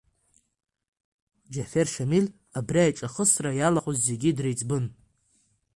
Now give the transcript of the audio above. Џьафер Шамил абри аиҿахысра иалахәыз зегьы дреиҵбын.